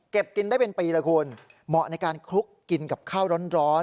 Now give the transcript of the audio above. กินได้เป็นปีเลยคุณเหมาะในการคลุกกินกับข้าวร้อน